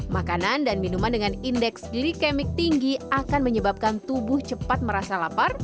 makanan dan minuman dengan indeks glikemik tinggi akan menyebabkan tubuh cepat merasa lapar